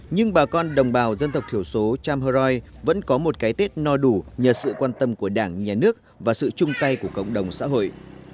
nhưng bà con đồng bào dân tộc thiểu số cham hờ roi vẫn có một cái tết no đủ nhờ sự quan tâm của đảng nhà nước và sự chung tay của cộng đồng xã hội